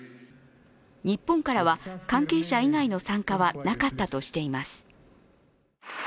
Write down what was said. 日本からは、関係者以外の参加はなかったとしています。